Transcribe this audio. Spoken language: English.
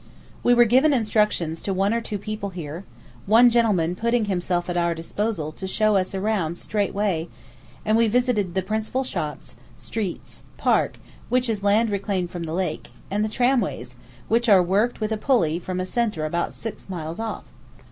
We were given introductions to one or two people here, one gentleman putting himself at our disposal to show us "around straight away;" and we visited the principal shops, streets, park, which is land reclaimed from the lake, and the tramways, which are worked with a pulley from a centre about six miles off.